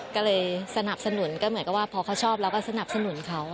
ก็เลยสนับสนุนก็เหมือนกับว่าพอเขาชอบเราก็สนับสนุนเขา